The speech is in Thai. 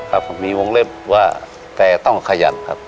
ครับมีวงเล็บว่าแต่ต้องขยันครับ